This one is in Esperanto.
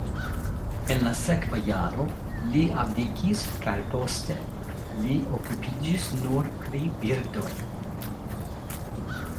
En la sekva jaro li abdikis kaj poste li okupiĝis nur pri birdoj.